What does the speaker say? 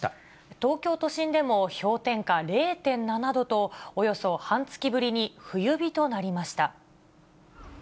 東京都心でも氷点下０．７度と、およそ半月ぶりに冬日となりました。